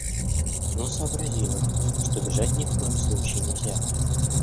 Но сообразила, что бежать ни в коем случае нельзя.